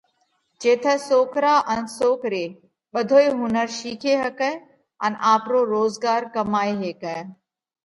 جيٿئہ سوڪرا ان سوڪري ٻڌوئي هُنر شِيکي هيڪئہ ان آپرو روزڳار ڪمائي هيڪئہ۔